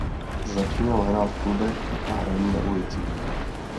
Začínal hrát v klubech a hraní na ulicích.